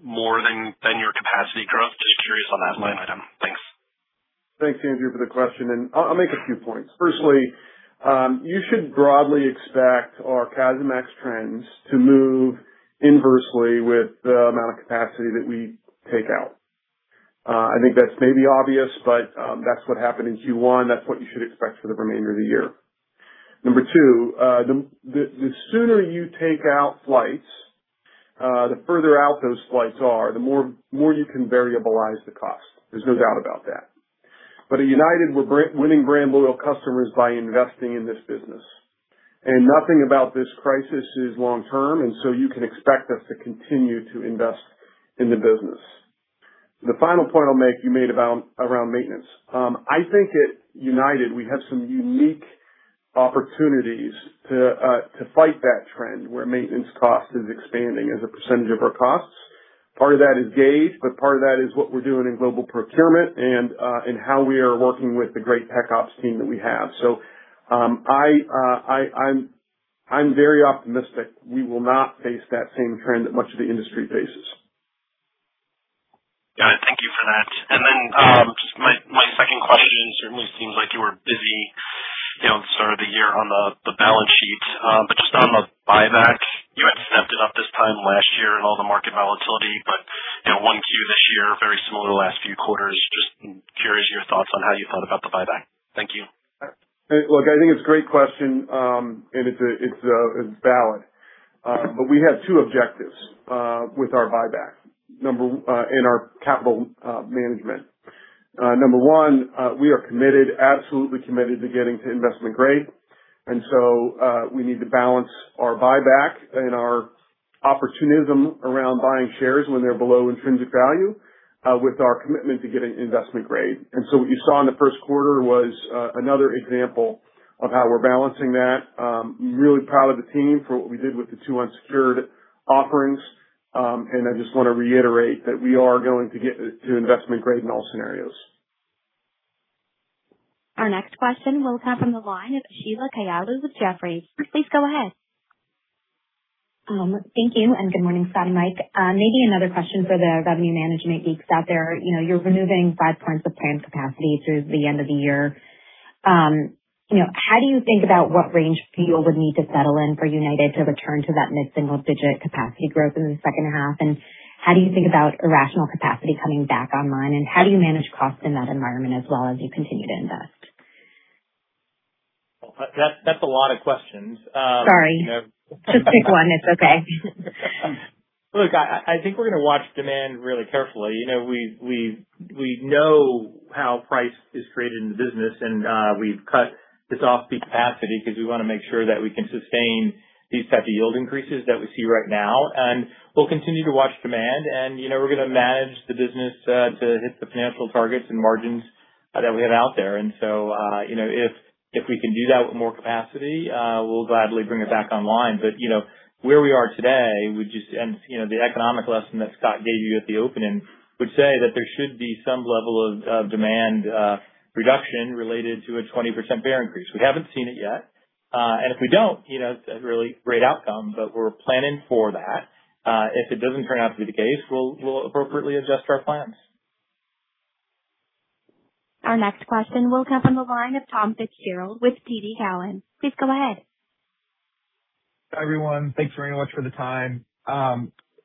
more than your capacity growth? Just curious on that line item. Thanks. Thanks, Andrew, for the question, and I'll make a few points. Firstly, you should broadly expect our CASM-ex trends to move inversely with the amount of capacity that we take out. I think that's maybe obvious, but that's what happened in Q1. That's what you should expect for the remainder of the year. Number two, the sooner you take out flights, the further out those flights are, the more you can variabilize the cost. There's no doubt about that. But at United, we're winning brand loyal customers by investing in this business, and nothing about this crisis is long-term, and so you can expect us to continue to invest in the business. The final point I'll make is the one you made around maintenance. I think at United, we have some unique opportunities to fight that trend where maintenance cost is expanding as a percentage of our costs. Part of that is age, but part of that is what we're doing in global procurement and how we are working with the great Technical Operations team that we have. I'm very optimistic we will not face that same trend that much of the industry faces. Got it. Thank you for that. Just my second question. It certainly seems like you were busy at the start of the year on the balance sheet. Just on the buyback, you had stepped it up this time last year and all the market volatility. In one Q this year, very similar to the last few quarters. Just curious about your thoughts on how you thought about the buyback. Thank you. Look, I think it's a great question, and it's valid. We had two objectives with our buyback and our capital management. Number one, we are committed, absolutely committed to getting to investment grade. We need to balance our buyback and our opportunism around buying shares when they're below intrinsic value, with our commitment to getting investment grade. What you saw in the first quarter was another example of how we're balancing that. I'm really proud of the team for what we did with the two unsecured offerings. I just want to reiterate that we are going to get to investment grade in all scenarios. Our next question will come from the line of Sheila Kahyaoglu with Jefferies. Please go ahead. Thank you, and good morning, Scott and Mike. Maybe another question for the revenue management geeks out there. You're removing five points of planned capacity through the end of the year. How do you think about what range for fuel would need to settle in for United to return to that mid-single-digit capacity growth in the second half? And how do you think about irrational capacity coming back online? And how do you manage cost in that environment as well, as you continue to invest? That's a lot of questions. Sorry. Just pick one. It's okay. Look, I think we're going to watch demand really carefully. We know how price is created in the business, and we've cut this off-peak capacity because we want to make sure that we can sustain these types of yield increases that we see right now. We'll continue to watch demand and we're going to manage the business to hit the financial targets and margins that we have out there. If we can do that with more capacity, we'll gladly bring it back online. Where we are today, and the economic lesson that Scott gave you at the opening, would say that there should be some level of demand reduction related to a 20% fare increase. We haven't seen it yet. If we don't, that's a really great outcome, but we're planning for that. If it doesn't turn out to be the case, we'll appropriately adjust our plans. Our next question will come from the line of Tom Fitzgerald with TD Cowen. Please go ahead. Hi, everyone. Thanks very much for the time.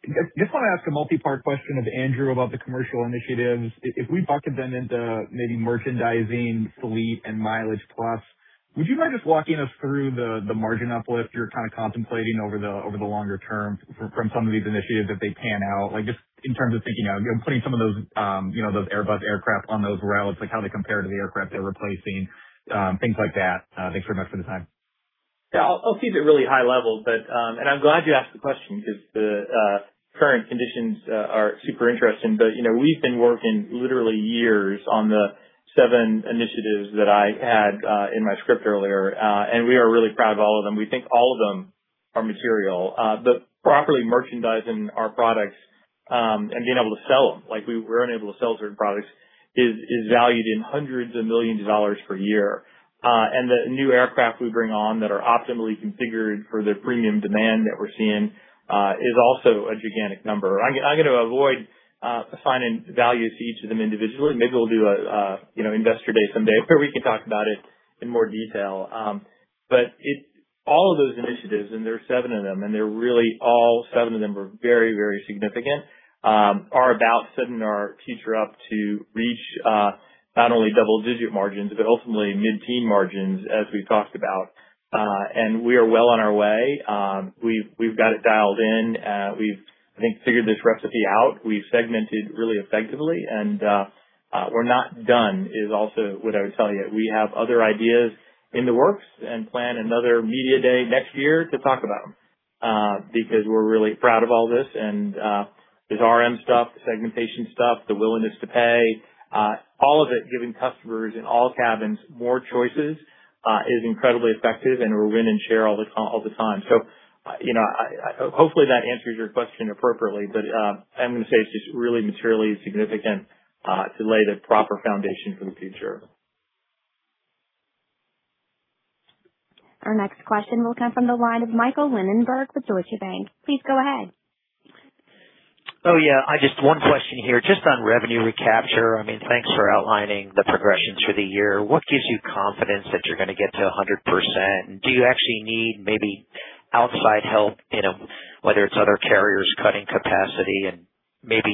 I just want to ask a multi-part question of Andrew about the commercial initiatives. If we bucket them into maybe merchandising, fleet, and MileagePlus, would you mind just walking us through the margin uplift you're kind of contemplating over the longer term from some of these initiatives, if they pan out? Just in terms of thinking out, putting some of those Airbus aircraft on those routes, like how they compare to the aircraft they're replacing, things like that. Thanks very much for the time. Yeah. I'll keep it really high level. I'm glad you asked the question because the current conditions are super interesting. We've been working literally years on the seven initiatives that I had in my script earlier, and we are really proud of all of them. We think all of them are material. Properly merchandising our products, and being able to sell them, like we were unable to sell certain products, is valued in hundreds of millions of dollars per year. The new aircraft we bring on that are optimally configured for the premium demand that we're seeing, is also a gigantic number. I'm going to avoid assigning values to each of them individually. Maybe we'll do an investor day someday where we can talk about it in more detail. All of those initiatives, and there are seven of them, and really all seven of them are very, very significant, are about setting our future up to reach not only double-digit margins, but ultimately mid-teen margins, as we've talked about. We are well on our way. We've got it dialed in. We've, I think, figured this recipe out. We've segmented really effectively and we're not done is also what I would tell you. We have other ideas in the works and plan another media day next year to talk about them, because we're really proud of all this and this RM stuff, the segmentation stuff, the willingness to pay, all of it, giving customers in all cabins more choices, is incredibly effective and a win in share all the time. Hopefully that answers your question appropriately, but I'm going to say it's just really materially significant to lay the proper foundation for the future. Our next question will come from the line of Michael Linenberg with Deutsche Bank. Please go ahead. Oh, yeah. Just one question here, just on revenue recapture. Thanks for outlining the progression through the year. What gives you confidence that you're going to get to 100%? Do you actually need maybe outside help, whether it's other carriers cutting capacity, and maybe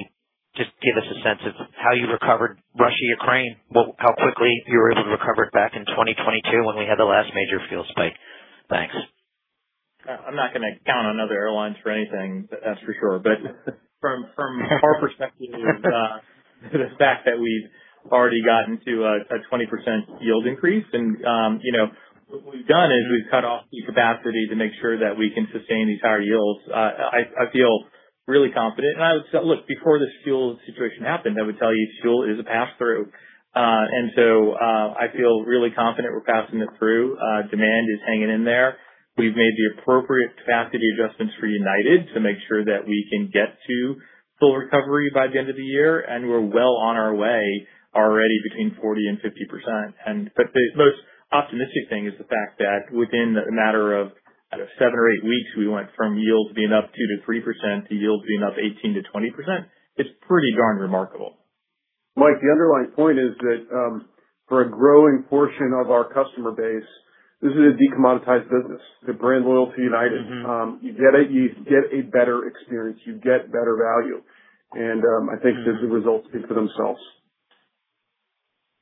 just give us a sense of how you recovered Russia/Ukraine, how quickly you were able to recover it back in 2022 when we had the last major fuel spike. Thanks. I'm not going to count on other airlines for anything, that's for sure. From our perspective, the fact that we've already gotten to a 20% yield increase and what we've done is we've cut off the capacity to make sure that we can sustain these higher yields. I feel really confident, and I would say, look, before this fuel situation happened, I would tell you fuel is a pass-through. I feel really confident we're passing it through. Demand is hanging in there. We've made the appropriate capacity adjustments for United to make sure that we can get to full recovery by the end of the year, and we're well on our way already between 40%-50%. The most optimistic thing is the fact that within a matter of seven or eight weeks, we went from yields being up 2%-3% to yields being up 18%-20%. It's pretty darn remarkable. Mike, the underlying point is that for a growing portion of our customer base. This is a decommoditized business. The brand loyalty United. Mm-hmm. You get it, you get a better experience, you get better value. I think the results speak for themselves.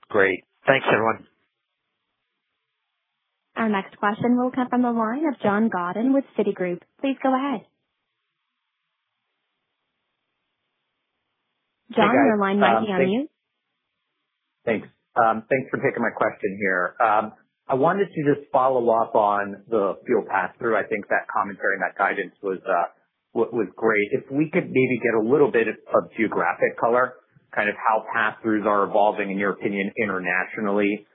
Great. Thanks, everyone. Our next question will come from the line of Jon Gordon with Citigroup. Please go ahead. Jon, your line might be on mute. Thanks. Thanks for taking my question here. I wanted to just follow up on the fuel pass-through. I think that commentary and that guidance was great. If we could maybe get a little bit of geographic color, how pass-throughs are evolving in your opinion internationally,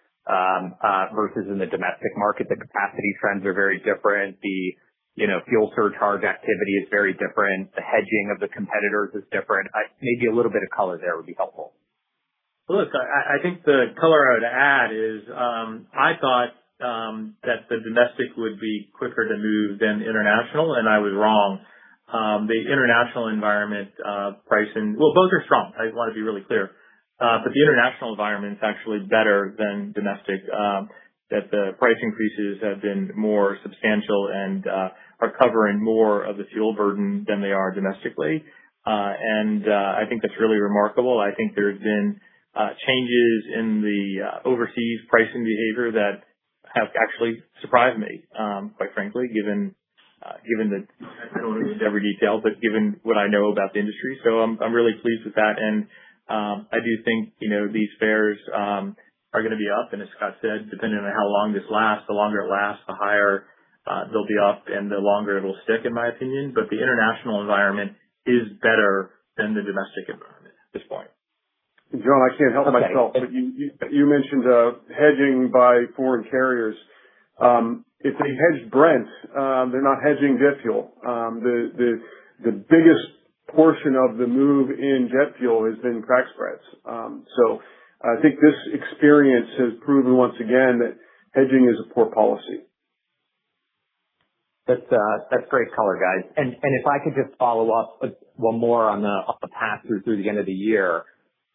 versus in the domestic market? The capacity trends are very different. The fuel surcharge activity is very different. The hedging of the competitors is different. Maybe a little bit of color there would be helpful. Look, I think the color I would add is, I thought that the domestic would be quicker to move than international, and I was wrong. The international environment, pricing. Well, both are strong. I want to be really clear. The international environment is actually better than domestic, that the price increases have been more substantial and are covering more of the fuel burden than they are domestically. I think that's really remarkable. I think there's been changes in the overseas pricing behavior that have actually surprised me, quite frankly, given every detail, but given what I know about the industry. I'm really pleased with that. I do think, these fares are going to be up, and as Scott said, depending on how long this lasts, the longer it lasts, the higher they'll be up and the longer it'll stick, in my opinion. The international environment is better than the domestic environment at this point. Jon, I can't help myself. You mentioned hedging by foreign carriers. If they hedge Brent, they're not hedging jet fuel. The biggest portion of the move in jet fuel has been crack spreads. I think this experience has proven once again that hedging is a poor policy. That's great color, guys. If I could just follow up with one more on the pass-through through the end of the year.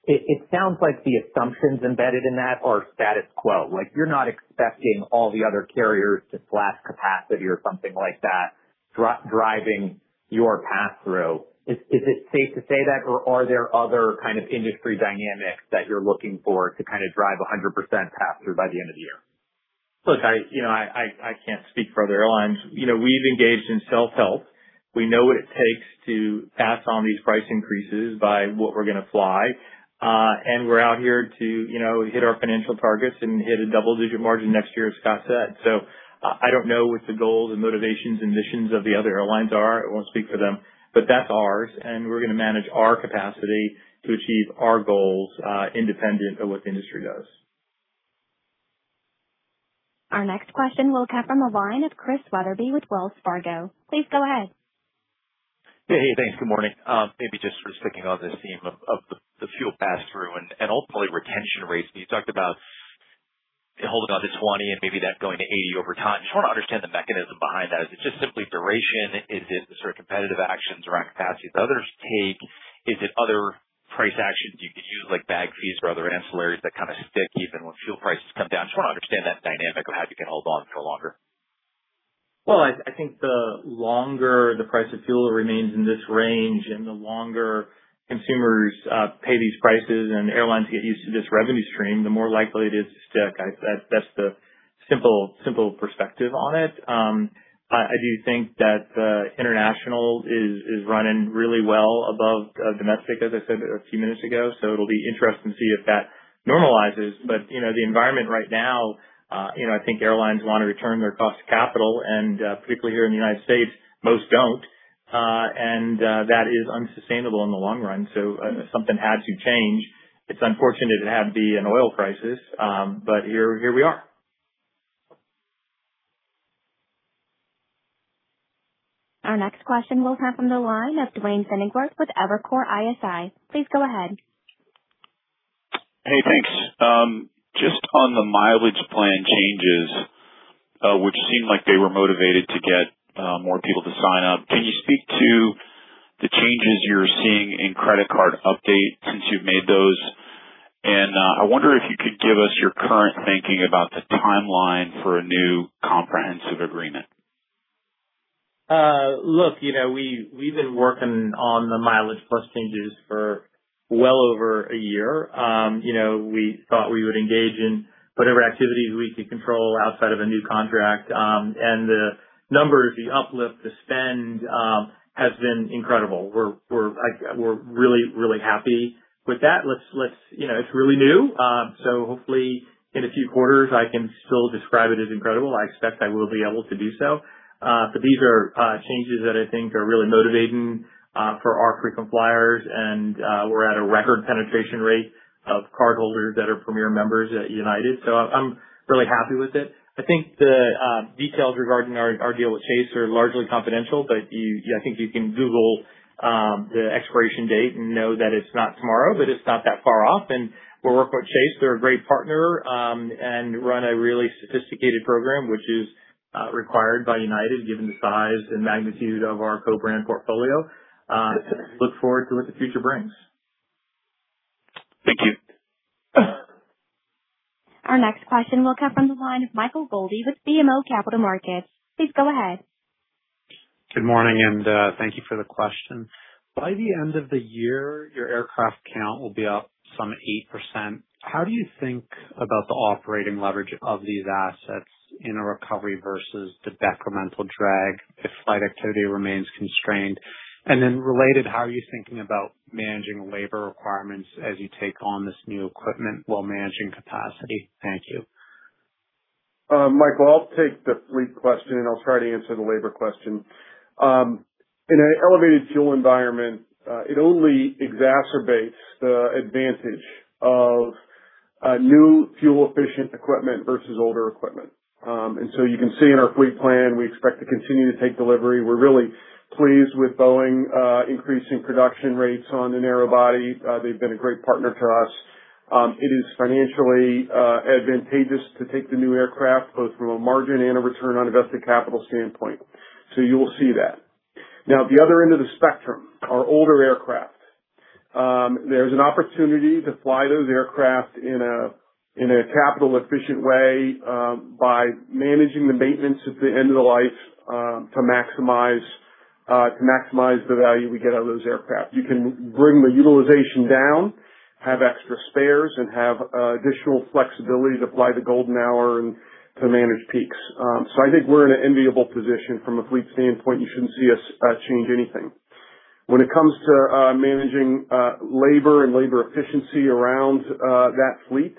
It sounds like the assumptions embedded in that are status quo. You're not expecting all the other carriers to slash capacity or something like that, driving your pass-through. Is it safe to say that or are there other industry dynamics that you're looking for to drive 100% pass-through by the end of the year? Look, I can't speak for other airlines. We've engaged in self-help. We know what it takes to pass on these price increases by what we're going to fly. We're out here to hit our financial targets and hit a double-digit margin next year, as Scott said. I don't know what the goals and motivations and missions of the other airlines are. I won't speak for them, but that's ours, and we're going to manage our capacity to achieve our goals, independent of what the industry does. Our next question will come from the line of Chris Wetherbee with Wells Fargo. Please go ahead. Hey. Thanks. Good morning. Maybe just sort of sticking on this theme of the fuel pass-through and ultimately retention rates. You talked about it holding on to 20 and maybe that going to 80 over time. Just want to understand the mechanism behind that. Is it just simply duration? Is it the sort of competitive actions around capacity that others take? Is it other price actions you could use, like bag fees or other ancillaries that kind of stick even when fuel prices come down? Just want to understand that dynamic of how you can hold on for longer. Well, I think the longer the price of fuel remains in this range, and the longer consumers pay these prices and airlines get used to this revenue stream, the more likely it is to stick. That's the simple perspective on it. I do think that the international is running really well above domestic, as I said a few minutes ago. It'll be interesting to see if that normalizes. The environment right now, I think airlines want a return on their cost of capital, and particularly here in the United States, most don't. And that is unsustainable in the long run. Something had to change. It's unfortunate it had to be an oil crisis, but here we are. Our next question will come from the line of Duane Pfennigwerth with Evercore ISI. Please go ahead. Hey, thanks. Just on the MileagePlus changes, which seemed like they were motivated to get more people to sign up. Can you speak to the changes you're seeing in credit card updates since you've made those? I wonder if you could give us your current thinking about the timeline for a new comprehensive agreement. Look, we've been working on the MileagePlus changes for well over a year. We thought we would engage in whatever activities we could control outside of a new contract. The numbers, the uplift, the spend, has been incredible. We're really happy with that. It's really new. Hopefully in a few quarters, I can still describe it as incredible. I expect I will be able to do so. These are changes that I think are really motivating for our frequent flyers. We're at a record penetration rate of cardholders that are premier members at United. I'm really happy with it. I think the details regarding our deal with Chase are largely confidential, but I think you can Google the expiration date and know that it's not tomorrow, but it's not that far off, and we'll work with Chase. They're a great partner, and run a really sophisticated program, which is required by United given the size and magnitude of our co-brand portfolio. Look forward to what the future brings. Thank you. Our next question will come from the line of Michael Goldey with BMO Capital Markets. Please go ahead. Good morning, and thank you for the question. By the end of the year, your aircraft count will be up some 8%. How do you think about the operating leverage of these assets in a recovery versus the incremental drag if flight activity remains constrained? Related, how are you thinking about managing labor requirements as you take on this new equipment while managing capacity? Thank you. Michael, I'll take the fleet question, and I'll try to answer the labor question. In an elevated fuel environment, it only exacerbates the advantage of new fuel-efficient equipment versus older equipment. You can see in our fleet plan, we expect to continue to take delivery. We're really pleased with Boeing increasing production rates on the narrow body. They've been a great partner to us. It is financially advantageous to take the new aircraft, both from a margin and a Return on Invested Capital standpoint. You will see that. Now, the other end of the spectrum are older aircraft. There's an opportunity to fly those aircraft in a capital efficient way by managing the maintenance at the end of the life to maximize the value we get out of those aircraft. You can bring the utilization down, have extra spares, and have additional flexibility to fly the golden hour and to manage peaks. I think we're in an enviable position from a fleet standpoint. You shouldn't see us change anything. When it comes to managing labor and labor efficiency around that fleet,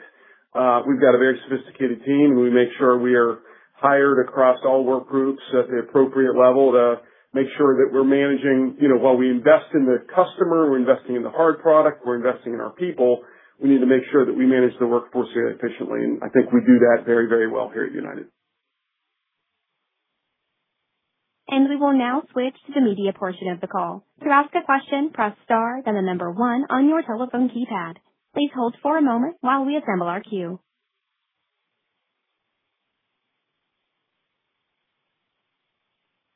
we've got a very sophisticated team, and we make sure we are hired across all work groups at the appropriate level to make sure that we're managing. While we invest in the customer, we're investing in the hard product, we're investing in our people, we need to make sure that we manage the workforce very efficiently, and I think we do that very well here at United. We will now switch to the media portion of the call. To ask a question, press star, then the number one on your telephone keypad. Please hold for a moment while we assemble our queue.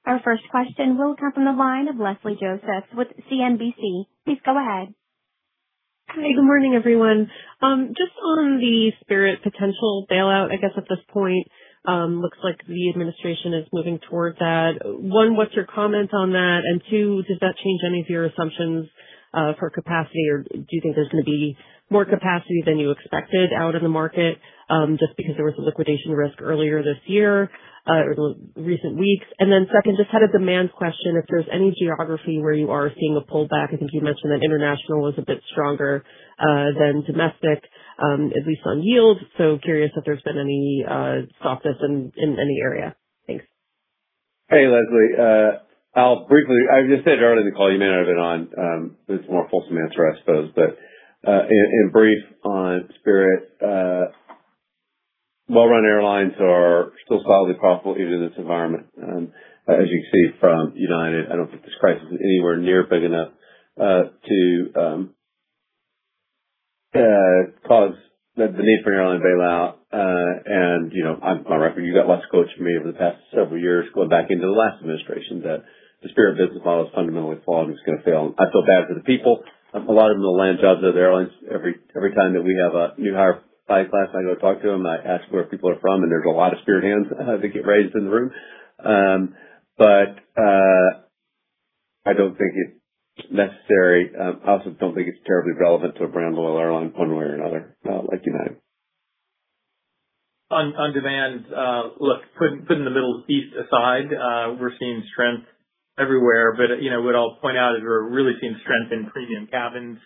Our first question will come from the line of Leslie Josephs with CNBC. Please go ahead. Hi. Good morning, everyone. Just on the Spirit potential bailout, I guess at this point, looks like the administration is moving towards that. One, what's your comment on that? Two, does that change any of your assumptions for capacity, or do you think there's gonna be more capacity than you expected out of the market, just because there was a liquidation risk earlier this year, or recent weeks. Second, just have a demand question if there's any geography where you are seeing a pullback. I think you mentioned that international was a bit stronger than domestic, at least on yield. Curious if there's been any softness in any area. Thanks. Hey, Leslie. I just said earlier in the call, you may not have been on. This is a more fulsome answer, I suppose, but in brief on Spirit, well-run airlines are still solidly profitable even in this environment. As you can see from United, I don't think this crisis is anywhere near big enough to cause the need for an airline bailout. You know, on record you got less coach from me over the past several years going back into the last administration that the Spirit business model is fundamentally flawed and it's gonna fail. I feel bad for the people. A lot of them will land jobs at other airlines. Every time that we have a new hire pilot class, I go talk to them. I ask where people are from, and there's a lot of Spirit hands that get raised in the room. I don't think it's necessary. I also don't think it's terribly relevant to a brand like our airline one way or another like United. On demand, look, putting the Middle East aside, we're seeing strength everywhere. What I'll point out is we're really seeing strength in premium cabins,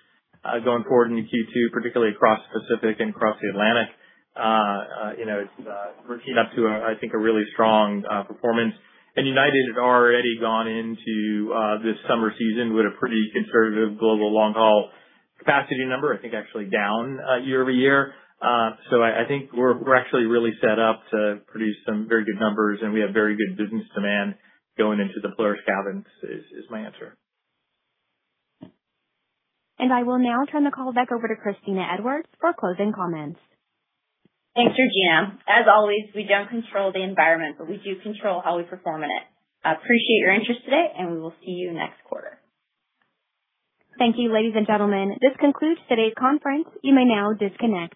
going forward into Q2, particularly across Pacific and across the Atlantic. We're teeing up to, I think, a really strong performance. United had already gone into this summer season with a pretty conservative global long-haul capacity number, I think, actually down year over year. I think we're actually really set up to produce some very good numbers, and we have very good business demand going into the premium cabins is my answer. I will now turn the call back over to Kristina Edwards for closing comments. Thanks, Regina. As always, we don't control the environment, but we do control how we perform in it. We appreciate your interest today, and we will see you next quarter. Thank you, ladies and gentlemen. This concludes today's conference. You may now disconnect.